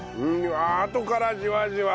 あとからじわじわ。